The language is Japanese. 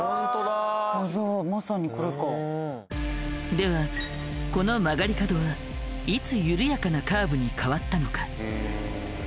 じゃあではこの曲がり角はいつ緩やかなカーブに変わったのか？